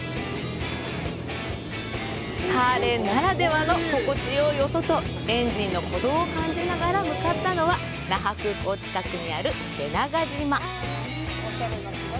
ハーレーならではの心地よい音とエンジンの鼓動を感じながら向かったのは、那覇空港近くにある瀬長島。